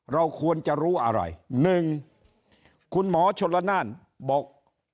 เราควรจะรู้อะไร๑คุณหมอชนละนานบอก